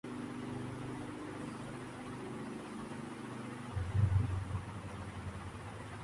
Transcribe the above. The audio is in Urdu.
اس تحریک کی پاداش میں ایک انوکھا مارشل لاء ملک میں نافذ ہو گیا۔